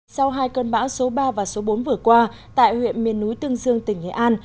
sau hai cơn bão số ba và số bốn vừa qua tại huyện miền núi tương dương tỉnh nghệ an